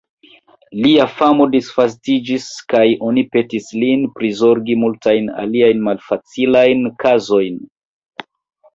Lia famo disvastiĝis kaj oni petis lin prizorgi multajn aliajn malfacilajn kazojn.